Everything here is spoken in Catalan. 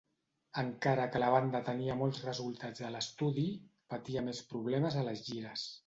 Encara que la banda tenia molts resultats a l"estudi, patia més problemes a les gires.